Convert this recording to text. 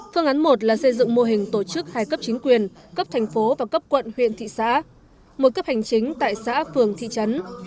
phương án một là xây dựng mô hình tổ chức hai cấp chính quyền cấp thành phố và cấp quận huyện thị xã một cấp hành chính tại xã phường thị trấn